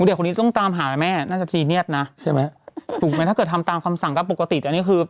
อุ้ยเด็กคนนี้ต้องตามหาอะไรไหมน่าจะซีเนียสนะถูกไหมถ้าเกิดทำตามคำสั่งก็ปกติแต่อันนี้คือ